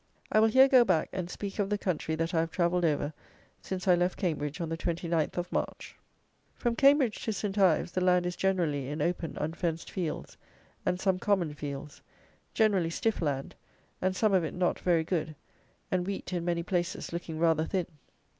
I will here go back, and speak of the country that I have travelled over, since I left Cambridge on the 29th of March. From Cambridge to St. Ives the land is generally in open, unfenced fields, and some common fields; generally stiff land, and some of it not very good, and wheat, in many places, looking rather thin.